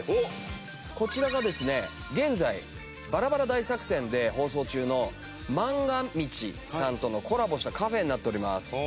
こちらがですね現在バラバラ大作戦で放送中の『まんが未知』さんとのコラボしたカフェになっております。